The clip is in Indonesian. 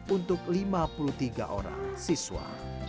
untuk lima puluh tiga orang siswa